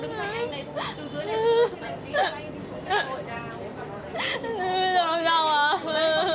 thế là bây giờ tí nữa dừng lại kiểm tra được đúng không anh